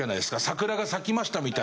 「桜が咲きました」みたいな。